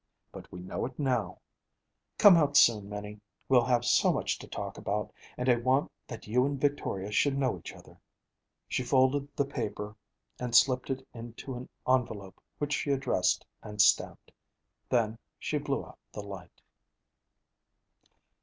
But we know it now. Come out soon, Minnie. We'll have so much to talk about, and I want that you and Victoria should know each other.' She folded the paper and slipped it into an envelope which she addressed and stamped. Then she blew out the light.